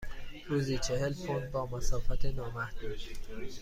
روزی چهل پوند با مسافت نامحدود.